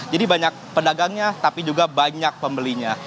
jadi banyak pedagangnya tapi juga banyak pembelinya